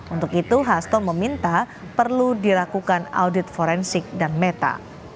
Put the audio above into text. untuk itu hasto meminta perlu dilakukan audit forensik dan meta